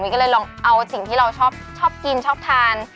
ก็เลยลองเอาสิ่งที่เราชอบกินชอบทาน